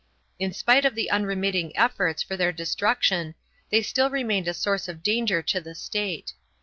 1 In spite of the unremitting efforts for their destruction, they still re mained a source of danger to the State.